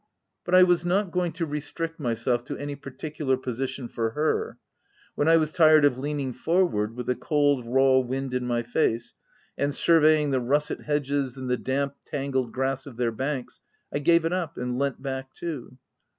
But I was not going to restrict myself to any particular posi tion for her : when I was tired of leaning for ward, with the cold, raw wind in my face ; and surveying the russet hedges, and the damp, tangled grass of their banks, I gave it up, and leant back too.